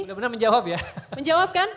udah benar menjawab ya